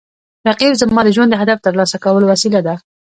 رقیب زما د ژوند د هدف ترلاسه کولو وسیله ده